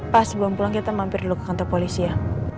pas sebelum pulang kita mampir dulu ke kantor polisi ya